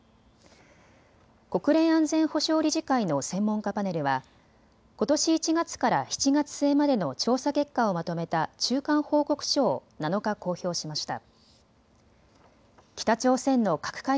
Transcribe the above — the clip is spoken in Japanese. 国連安全保障理事会の専門家パネルはことし１月から７月末までの調査結果をまとめた中間報告書を７日、公表しました。